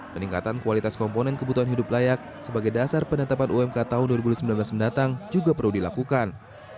peningkatan kualitas komponen kebutuhan hidup layak sebagai dasar penetapan umk tahun dua ribu sembilan belas mendatang juga perlu dilakukan